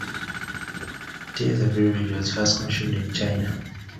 Tea as a beverage was first consumed in China.